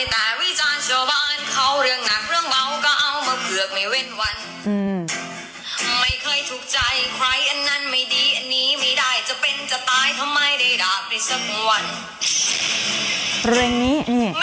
เพลงนี้นี่